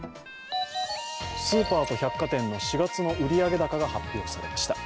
スーパーと百貨店の４月の売上高が発表されました。